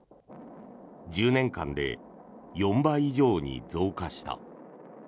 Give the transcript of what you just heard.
１０年間で４倍以上に増加した。